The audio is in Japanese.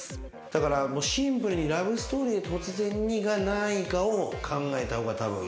だからシンプルに『ラブ・ストーリーは突然に』が何位かを考えた方がたぶん。